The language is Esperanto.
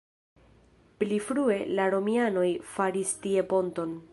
Pli frue la romianoj faris tie ponton.